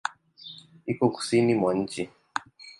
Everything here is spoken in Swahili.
Iko Kusini mwa nchi.